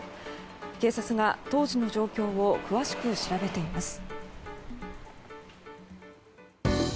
警察が当時の状況を詳しく調べています。